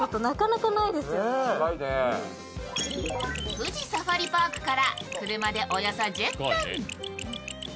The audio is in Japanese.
富士サファリパークから車でおよそ１０分。